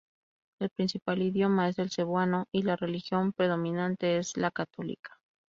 El principal idioma es el cebuano y la religión predominante es la católica.